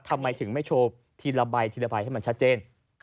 ทำไมถึงไม่โชว์ทีละใบทีละใบให้มันชัดเจน